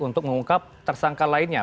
untuk mengungkap tersangka lainnya